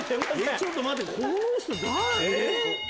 ちょっと待ってこの人誰？